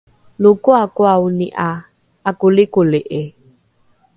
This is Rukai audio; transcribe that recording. lo koakoaoni ’a okolikoli’i